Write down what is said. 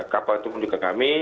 kapal itu menuju ke kami